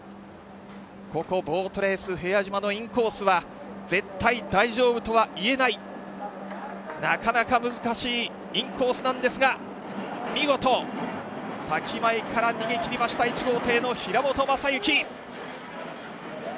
ここ、ボートレース平和島のインコースは絶対大丈夫とは言えない、なかなか難しいインコースなんですが、見事先前から逃げ切りました１号艇の平本真之。